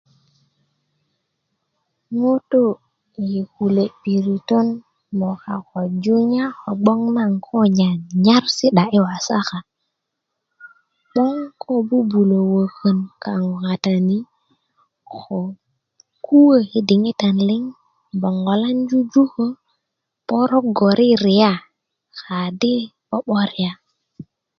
ŋutu i kule piritön moka ko junya ko gboŋ naŋ kó nyanyar sida i wasaka 'bong ko 'bu'bulö wökön kaŋó wä kata ni ko kuwä i dikitan liŋ bögolań jujukö porogo ririya kadi 'bo'boria